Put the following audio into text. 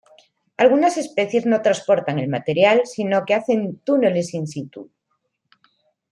Algunas especies no transportan el material sino que hacen túneles "in-situ".